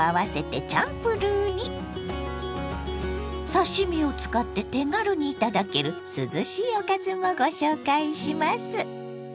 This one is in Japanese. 刺身を使って手軽に頂ける涼しいおかずもご紹介します。